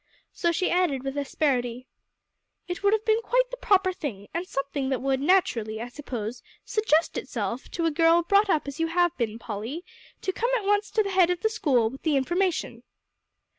So she added with asperity, "It would have been quite the proper thing, and something that would naturally, I should suppose, suggest itself to a girl brought up as you have been, Polly, to come at once to the head of the school with the information."